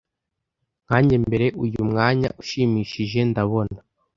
Nkanjye mbere uyu mwanya ushimishije ndabona,